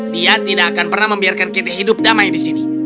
dia tidak akan pernah membiarkan kita hidup damai di sini